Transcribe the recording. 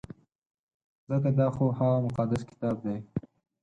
ځکه دا خو هغه مقدس کتاب دی.